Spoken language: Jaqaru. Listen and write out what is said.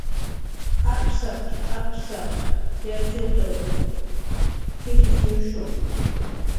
"Apsap"" apsap"" yatxut"" pijchnushu"